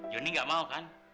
joni gak mau kan